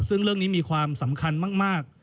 ซึ่งเรื่องนี้มีความสำคัญมาก